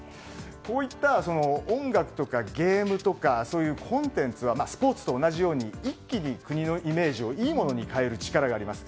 こういった音楽とかゲームとかコンテンツはスポーツと同じように一気に国のイメージをいいものに変える力があります。